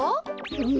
うん。